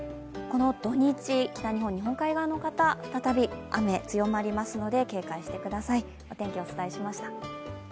この土日、北日本、日本海側の方再び雨、強まりますので警戒してください。